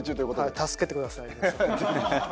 助けてください皆さん。